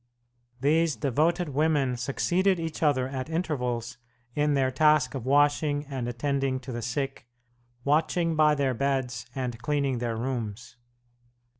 These devoted women succeeded each other at intervals in their task of washing and attending to the sick, watching by their beds and cleaning their rooms.